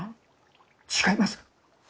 違います！